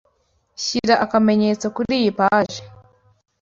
Shyira akamenyetso kuriyi page.